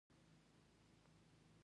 د دوی ذهني معالجه باید وشي ځکه ناروغان دي